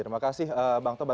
terima kasih bang toba